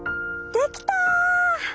できた！